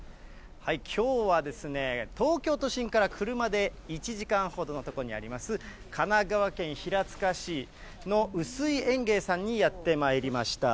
きょうはですね、東京都心から車で１時間ほどの所にあります、神奈川県平塚市の臼井園芸さんにやってまいりました。